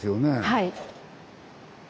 はい。